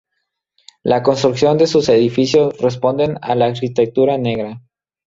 La construcción de sus edificios responden a la arquitectura negra.